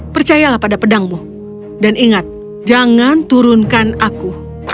percayalah pada pedangmu dan ingat jangan turunkan aku